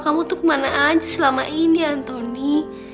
kamu tuh kemana aja selama ini antoni